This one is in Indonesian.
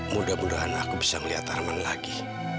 mudah mudahan aku bisa melihat arman lagi